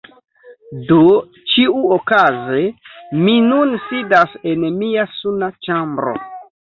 Do ĉiuokaze mi nun sidas en mia suna ĉambro